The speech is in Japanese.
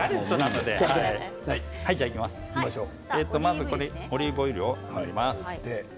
まずオリーブオイルを塗ります。